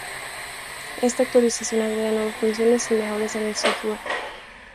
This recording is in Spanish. Esta actualización agrega nuevas funciones y mejoras en el software.